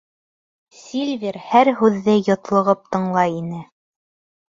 Сильвер һәр һүҙҙе йотлоғоп тыңлай ине.